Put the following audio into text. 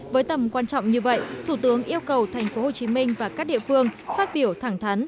với tầm quan trọng như vậy thủ tướng yêu cầu tp hcm và các địa phương phát biểu thẳng thắn